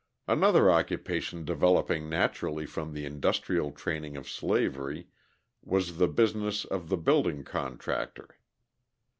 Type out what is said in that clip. Another occupation developing naturally from the industrial training of slavery was the business of the building contractor.